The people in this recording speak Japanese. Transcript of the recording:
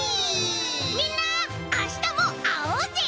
みんなあしたもあおうぜ！